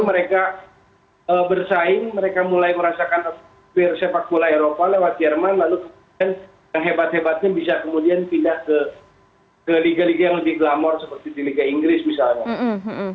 mereka bersaing mereka mulai merasakan sepak bola eropa lewat jerman lalu kemudian yang hebat hebatnya bisa kemudian pindah ke liga liga yang lebih glamor seperti di liga inggris misalnya